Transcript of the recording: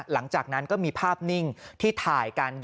หลังจากนั้นก็มีภาพนิ่งที่ถ่ายกัน